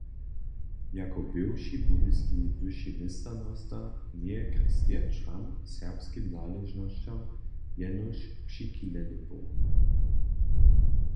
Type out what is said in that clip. Jako bywši Budyski wyši měšćanosta njeje Christian Schramm serbskim naležnosćam jenož přichileny był.